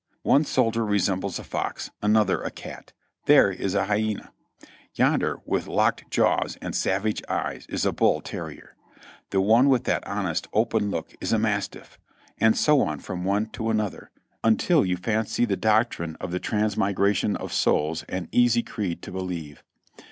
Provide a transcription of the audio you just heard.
One soldier resembles a fox, another a cat; there is a hyena; yonder with locked jaws and savage eyes is a bull terrier; the one with that honest, open look is a mastifif, and so on from one to another, until you fancy the doctrine of the transmigration HARD TIMES 441 of souls an easy creed to believe.